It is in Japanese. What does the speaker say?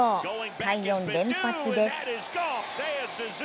快音連発です。